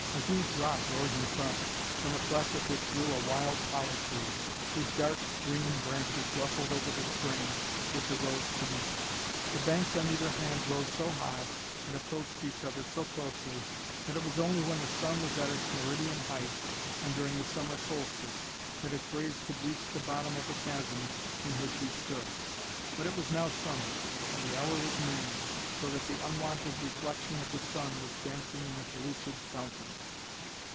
A huge rock rose in front, from a cleft of which grew a wild holly tree, whose dark green branches rustled over the spring which arose beneath. The banks on either hand rose so high, and approached each other so closely, that it was only when the sun was at its meridian height, and during the summer solstice, that its rays could reach the bottom of the chasm in which he stood. But it was now summer, and the hour was noon, so that the unwonted reflection of the sun was dancing in the pellucid fountain.